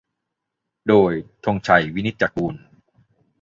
โดย ธงชัย วินิจจะกูล